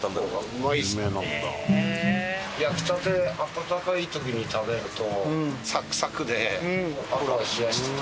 焼きたて温かい時に食べると。